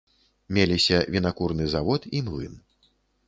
Меліся вінакурны завод і млын.